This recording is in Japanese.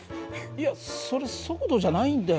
いやそれ速度じゃないんだよ。